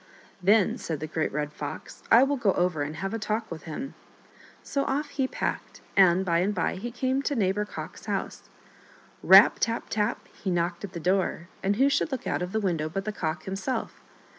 " Then," said the Great Red Fox, " I will go over and have a talk with him." So off he packed, and by and by he came to Neighbor Cock's house. Rap ! tap ! tap ! he knocked at the door, and who should look out of the window but the Cock himself.